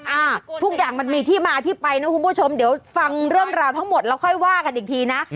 อ่าทุกอย่างมันมีที่มาที่ไปนะคุณผู้ชมเดี๋ยวฟังเรื่องราวทั้งหมดแล้วค่อยว่ากันอีกทีนะ